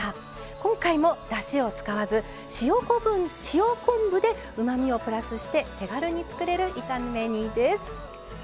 今回もだしを使わず塩昆布でうまみをプラスして手軽に作れる炒め煮です。